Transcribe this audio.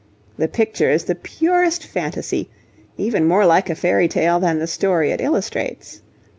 The picture is the purest phantasy, even more like a fairy tale than the story it illustrates.